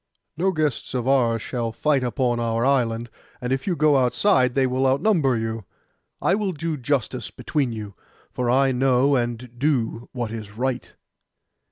'No guests of ours shall fight upon our island, and if you go outside they will outnumber you. I will do justice between you, for I know and do what is right.